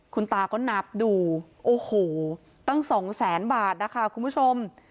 คุณตาก็นับดูโอ้โหตั้งสองแสนบาทนะคะคุณผู้ชม